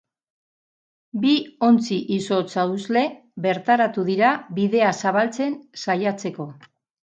Bi ontzi izotz-hausle bertaratu dira bidea zabaltzen saiatzeko.